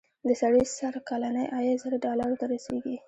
د سړي سر کلنی عاید زر ډالرو ته رسېږي.